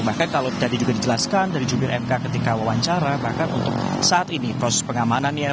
bahkan kalau tadi juga dijelaskan dari jubir mk ketika wawancara bahkan untuk saat ini proses pengamanannya